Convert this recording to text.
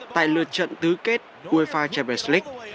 tại lượt trận tứ kết uefa champions league